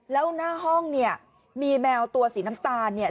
แล้วหน้าห้องเนี่ยมีแมวตัวสีน้ำตาลเนี่ย